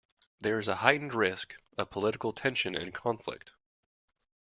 There is a heightened risk of political tension and conflict.